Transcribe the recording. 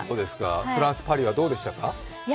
フランス・パリはどうでしたか？